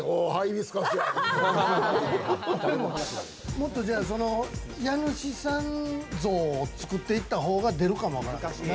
もっと家主さん像を作っていった方が出るかもわからん。